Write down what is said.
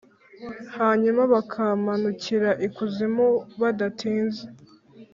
hanyuma bakamanukira ikuzimu badatinze